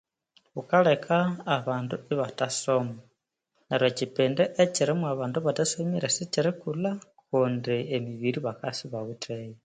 Ghukaleka abandu ibathasoma neryo ekyipindi ekyiri mwa bandu abathasomire sikyirikylha kundi emibiri bakabya isibawitheyo